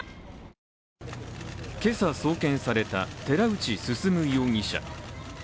今朝送検された、寺内進容疑者。